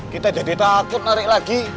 kita jadi takut narik lagi